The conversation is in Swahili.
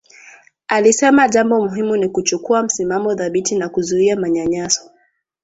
Alisema jambo muhimu ni kuchukua msimamo thabiti na kuzuia manyanyaso